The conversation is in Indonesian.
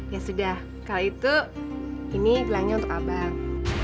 ya sudah kalau itu ini gelangnya untuk abang